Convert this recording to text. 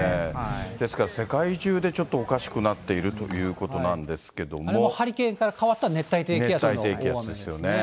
ですから世界中でちょっとおかしくなっているということなんハリケーンから変わった熱帯熱帯低気圧ですよね。